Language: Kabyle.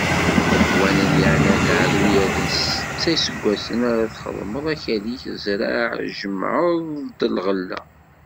Leqwanen yeɛnan leɛyudat d Setta n iseggasen ara txeddmeḍ akal-ik, zreɛ tjemɛeḍ-d lɣella.